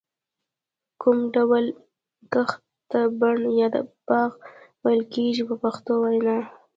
کوم ډول کښت ته بڼ یا باغ ویل کېږي په پښتو وینا.